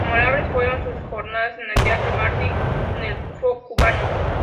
Memorables fueron sus jornadas en el Teatro Martí con el bufo cubano.